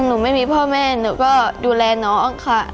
หนูไม่มีพ่อแม่หนูก็ดูแลน้องค่ะ